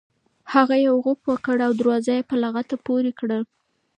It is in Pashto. هغه یو غوپ وکړ او دروازه یې په لغته پورې کړه.